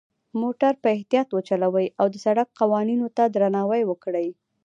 موټر په اختیاط وچلوئ، او د سرک قوانینو ته درناوی وکړئ.